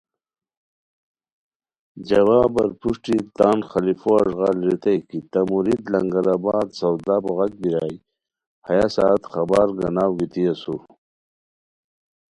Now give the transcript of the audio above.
جوابار پروشٹی تان خلفو اݱغال ریتائے کی تہ مرید لنگر آباد سودا بوغاک بیرائے ہیہ ساعت خبر گاناؤ گیتی اسور